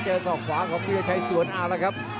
เจอส่องขวาของวิลชัยส่วนอ้าวแล้วครับ